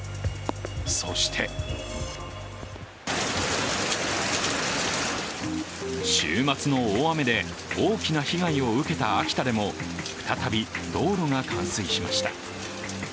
そして週末の大雨で大きな被害を受けた秋田でも、再び、道路が冠水しました。